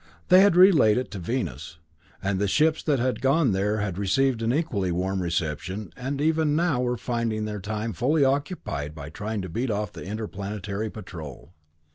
They had relayed it to Venus, and the ships that had gone there had received an equally warm reception, and were even now finding their time fully occupied trying to beat off the Interplanetary Patrol.